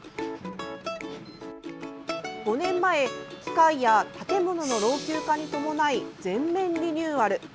５年前機械や建物の老朽化に伴い全面リニューアル。